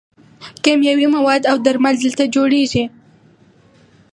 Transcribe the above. کیمیاوي مواد او درمل دلته جوړیږي.